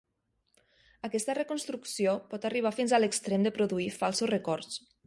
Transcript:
Aquesta reconstrucció pot arribar fins a l'extrem de produir falsos records.